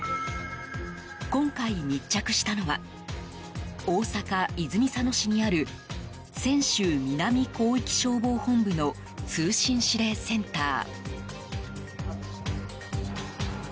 今回、密着したのは大阪・泉佐野市にある泉州南広域消防本部の通信指令センター。